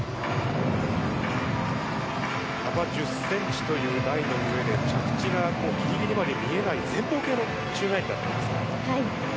幅１０ｃｍという台の上で着地がギリギリまで見えない前方系の宙返りだったんですが。